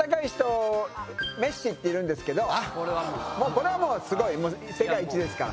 これはもうすごい世界一ですから。